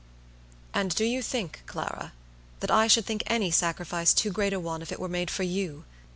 "And do you think, Clara, that I should think any sacrifice too great a one if it were made for you?